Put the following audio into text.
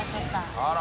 あら！